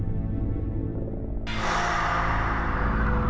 mereka nyatuk namanya warga barangnya para sulung